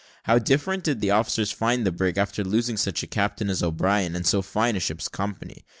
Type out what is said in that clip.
How different did the officers find the brig after losing such a captain as O'Brien, and so fine a ship's company!